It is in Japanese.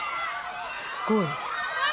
すごい。